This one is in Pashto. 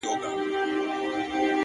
ملا صاحب دې گرځي بې ايمانه سرگردانه;